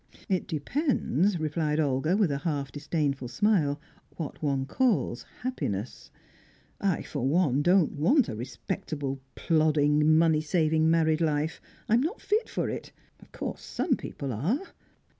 "It depends," replied Olga, with a half disdainful smile, "what one calls happiness. I, for one, don't want a respectable, plodding, money saving married life. I'm not fit for it. Of course some people are."